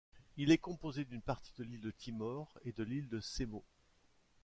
Il est composé d'une partie de l'île de Timor et de l'île de Semau.